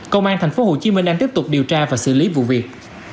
công an tp hcm đang tiếp tục điều tra và xử lý vụ việc